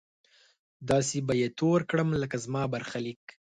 داسې به يې تور کړم لکه زما برخليک!